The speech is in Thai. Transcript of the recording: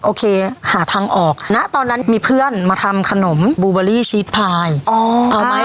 โอเคหาทางออกณตอนนั้นมีเพื่อนมาทำขนมบูเบอรี่ชีสพายอ๋อเอาไหม